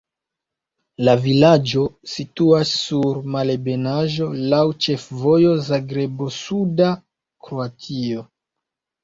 La vilaĝo situas sur malebenaĵo, laŭ ĉefvojo Zagrebo-suda Kroatio.